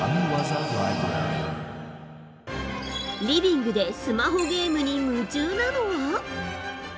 リビングでスマホゲームに夢中なのは。